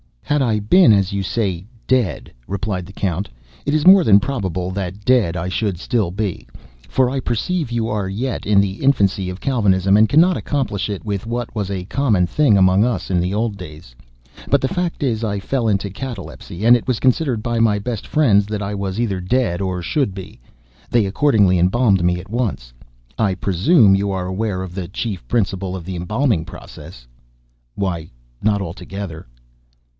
"Had I been, as you say, dead," replied the Count, "it is more than probable that dead, I should still be; for I perceive you are yet in the infancy of Galvanism, and cannot accomplish with it what was a common thing among us in the old days. But the fact is, I fell into catalepsy, and it was considered by my best friends that I was either dead or should be; they accordingly embalmed me at once—I presume you are aware of the chief principle of the embalming process?" "Why, not altogether."